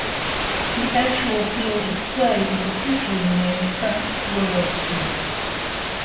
The actual field of play is officially named "Frank Broyles Field".